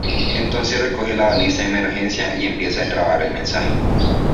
Entonces recoge la baliza de emergencia y empieza a grabar el mensaje.